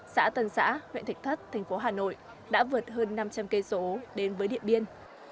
xã tân xã huyện thạch thất thành phố hà nội đã vượt hơn năm trăm linh km đến với điện biên